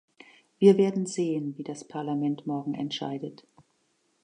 Wir werden sehen, wie das Parlament morgen entscheidet.